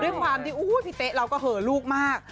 โอ้โฮพี่เต๊เราก็เผอลูกมาก